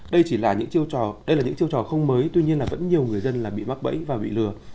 đây chỉ là những chiêu trò không mới tuy nhiên là vẫn nhiều người dân bị mắc bẫy và bị lừa